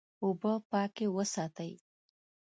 اوبه پاکې وساتئ.